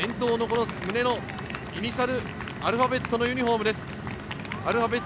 伝統の胸のイニシャルはアルファベットのユニホームです。